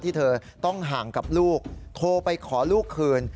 ที่เธอต้องห่างกับลูกโทรไปขอลูกคืน